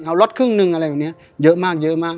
เอารถครึ่งนึงอะไรแบบนี้เยอะมาก